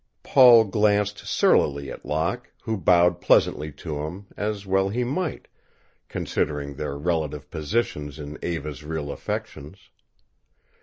Paul glanced surlily at Locke, who bowed pleasantly to him, as well he might, considering their relative positions in Eva's real affections.